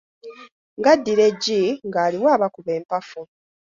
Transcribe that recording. Ng'addira eggi ng'aliwa abakuba empafu.